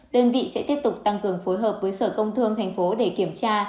đơn vị sẽ tiếp tục tăng cường phối hợp với sở công thương tp hcm để kiểm tra